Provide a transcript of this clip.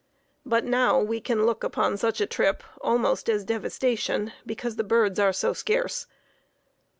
But now we can look upon such a trip almost as devastation because the birds are so scarce.